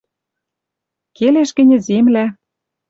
Келеш гӹньӹ земля